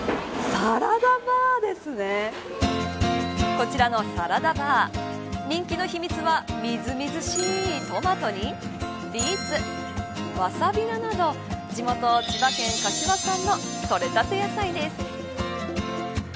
こちらのサラダバー人気の秘密はみずみずしいトマトにビーツ、わさび菜など地元、千葉県柏産の採れたて野菜です。